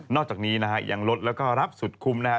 อกจากนี้นะฮะยังลดแล้วก็รับสุดคุ้มนะฮะ